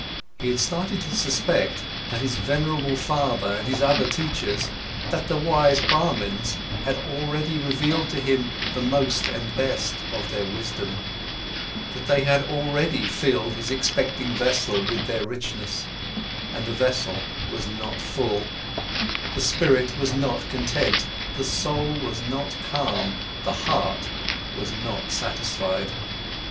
He had started to suspect that his venerable father and his other teachers, that the wise Brahmans had already revealed to him the most and best of their wisdom, that they had already filled his expecting vessel with their richness, and the vessel was not full, the spirit was not content, the soul was not calm, the heart was not satisfied.